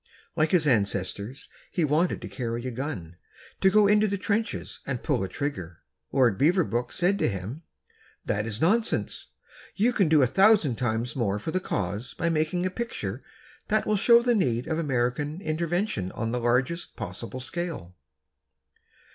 Like his ancestors, he wanted to carry a gun—to go into the trenches and pull a trigger. Lord Beaverbrook said to him: "That is nonsense. You can do a thousand times more for the cause by making a picture that will show the need of American intervention on the largest possible scale."